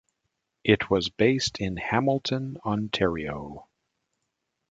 It was based in Hamilton, Ontario.